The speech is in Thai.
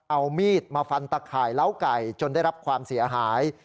เอามีดมาฟันตะข่ายเล้าไก่จนได้รับความเสียหาย